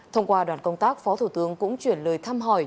thông qua đoàn công tác phó thủ tướng cũng chuyển lời thăm hỏi